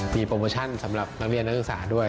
มีโปรโมชั่นสำหรับนักเรียนนักศึกษาด้วย